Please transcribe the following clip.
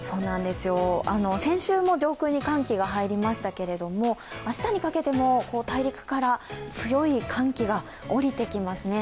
先週も上空に寒気が入りましたけれども、明日にかけても大陸から強い寒気が降りてきますね。